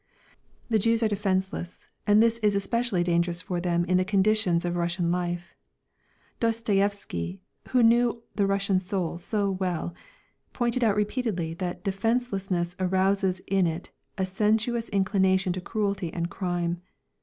The Jews are defenceless, and this is especially dangerous for them in the conditions of Russian life. Dostoyevsky, who knew the Russian soul so well, pointed out repeatedly that defencelessness arouses in it a sensuous inclination to cruelty and crime.